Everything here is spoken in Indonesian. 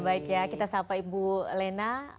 baik ya kita sapa ibu lena